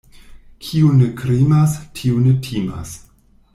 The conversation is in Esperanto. Kiu ne krimas, tiu ne timas.